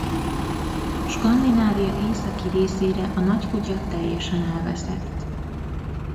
Skandinávia északi részére a Nagy Kutya teljesen elveszett.